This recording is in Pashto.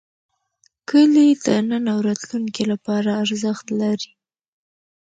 کلي د نن او راتلونکي لپاره ارزښت لري.